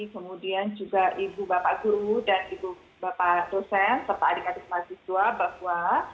kemudian juga ibu bapak guru dan ibu bapak dosen serta adik adik mahasiswa bahwa